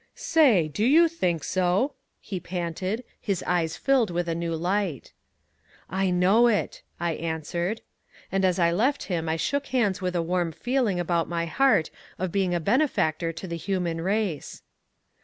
"Say, do you think so!" he panted, his eyes filled with a new light. "I know it," I answered. And as I left him I shook hands with a warm feeling about my heart of being a benefactor to the human race.